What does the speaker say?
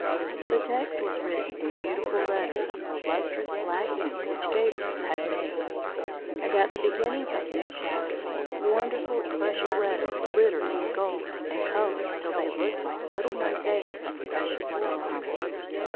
The text was written in beautiful letters of the lustrous black ink which Gabriel had made; and at the beginnings of new chapters, wonderful initial letters glittered in gold and colours till they looked like little mosaics of precious stones.